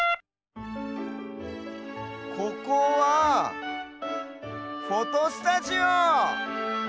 ここはフォトスタジオ！